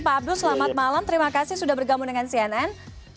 pak abdul selamat malam terima kasih sudah bergabung dengan cnn